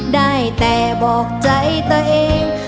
ได้แต่บอกใจตัวเอง